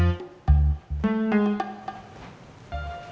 serius seperti ini